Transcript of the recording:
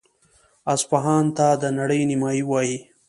اصفهان ته د نړۍ نیمایي وايي.